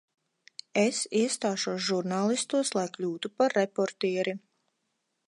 Es iestāšos žurnālistos, lai kļūtu par reportieri.